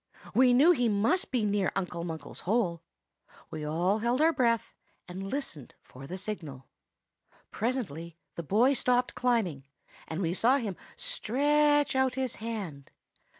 We knew he must be near Uncle Munkle's hole. We all held our breath and listened for the signal. "Presently the boy stopped climbing, and we saw him stretch out his hand.